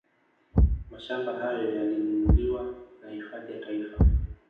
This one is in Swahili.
Mashamba hayo yalinunuliwa na hifadhi ya Taifa